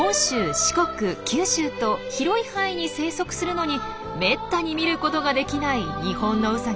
四国九州と広い範囲に生息するのにめったに見ることができないニホンノウサギ。